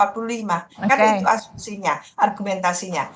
karena itu asumsinya argumentasinya